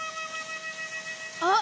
あっ！